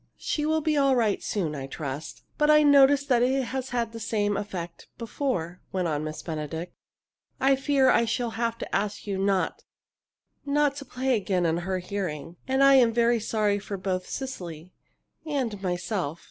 She will be all right soon, I trust. But I noticed that it had the same effect before," went on Miss Benedict. "I fear I shall have to ask you not not to play again in her hearing. And I am very sorry, both for Cecily and myself."